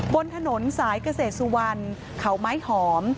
บนถนนสายเกษตรสุวรรณเขาไม้หอม